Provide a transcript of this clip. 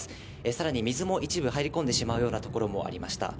さらに水も一部入り込んでしまうような所もありました。